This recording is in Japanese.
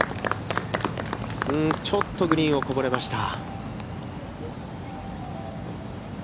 ちょっとグリーンをこぼれました。